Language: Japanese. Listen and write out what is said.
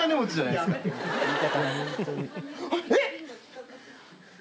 えっ！